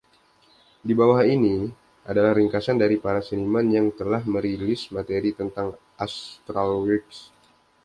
Di bawah ini adalah ringkasan dari para seniman yang telah merilis materi tentang Astralwerks.